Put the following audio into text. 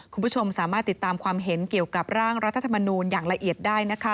คุณผู้ชมสามารถติดตามความเห็นเกี่ยวกับร่างรัฐธรรมนูลอย่างละเอียดได้นะคะ